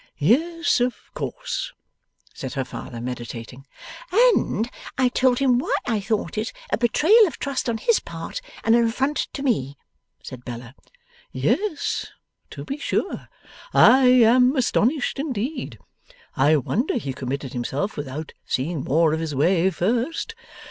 'Yes. Of course,' said her father, meditating. 'And I told him why I thought it a betrayal of trust on his part, and an affront to me,' said Bella. 'Yes. To be sure. I am astonished indeed. I wonder he committed himself without seeing more of his way first.